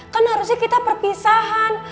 kan harusnya kita perpisahan